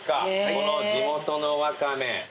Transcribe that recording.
この地元のワカメ。